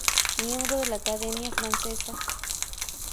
Miembro de la Academia francesa.